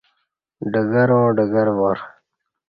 ڈگراں ڈگروار